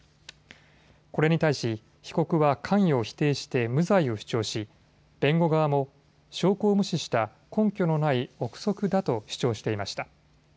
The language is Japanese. これに対し被告は関与を否定して無罪を主張し弁護側も証拠を無視した根拠のない臆測だと主張していました。